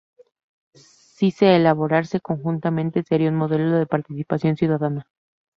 si se elaborase conjuntamente, sería un modelo de participación ciudadana.